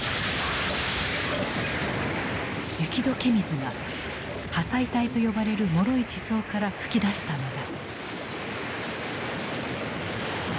雪解け水が破砕帯と呼ばれるもろい地層から噴き出したのだ。